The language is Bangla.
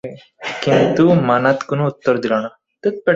কিন্তু মানাত কোন উত্তর দিল না।